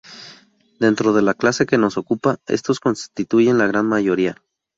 Dentro de la clase que nos ocupa, estos constituyen la gran mayoría.